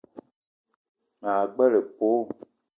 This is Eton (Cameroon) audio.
Ma gbele épölo